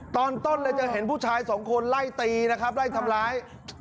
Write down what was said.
ตอนเต้นเห็นผู้ชายสองคนไล่ตีไล่ทำร้าย